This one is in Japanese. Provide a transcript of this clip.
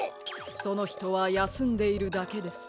そのひとはやすんでいるだけです。